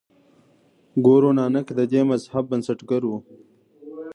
ګورو نانک د دې مذهب بنسټګر و.